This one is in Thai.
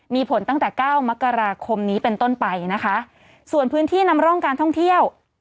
มีผลตั้งแต่เก้ามกราคมนี้เป็นต้นไปนะคะส่วนพื้นที่นำร่องการท่องเที่ยว